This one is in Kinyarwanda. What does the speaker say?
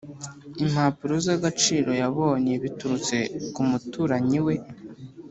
Impapuro z agaciro yabonye biturutse kumuturanyi we